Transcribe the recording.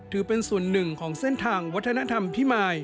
ถือเป็นส่วนหนึ่งของเส้นทางวัฒนธรรมพิมาย